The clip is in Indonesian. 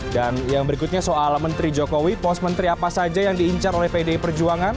dan yang berikutnya soal menteri jokowi pos menteri apa saja yang diincar oleh pdi perjuangan